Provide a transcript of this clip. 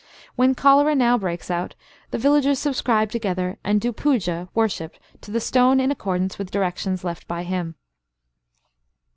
When cholera now breaks out, the villagers subscribe together, and do puja (worship) to the stone in accordance with directions left by him."